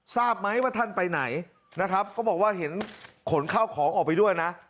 ทราบไหมว่าท่านไปไหนนะครับก็บอกว่าเห็นขนข้าวของออกไปด้วยนะ